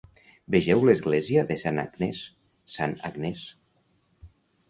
Vegeu l'església de Saint Agnes, Saint Agnes.